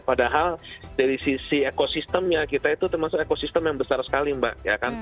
padahal dari sisi ekosistemnya kita itu termasuk ekosistem yang besar sekali mbak